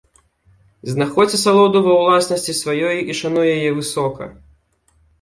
Знаходзь асалоду ва ўласнасці сваёй і шануй яе высока!